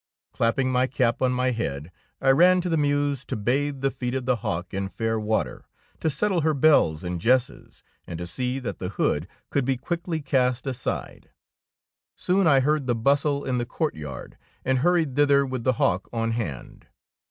Clapping my cap on my head, I ran to the mews, to bathe the feet of the hawk in fair water, to settle her bells and jesses, and to see that the hood could be quickly cast aside. Soon 8 THE KOBE OF THE DUCHESS I heard the bustle in the courtyard, and hurried thither with the hawk on hand.